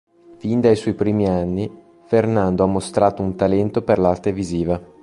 Fin dai suoi primi anni, Fernando ha mostrato un talento per l'arte visiva.